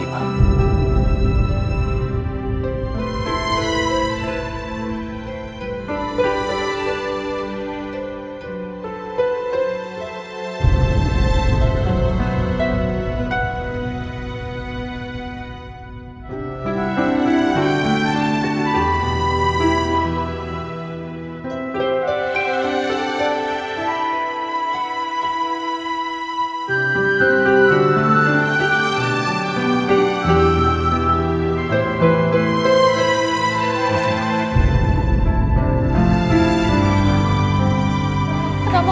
aku menyuruhnya namanya rama